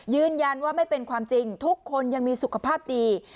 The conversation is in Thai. ยืนยันว่าไม่เป็นความจริงทุกคนยังมีสุขภาพดี